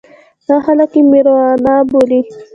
دا خلک یې مېروانا بولي.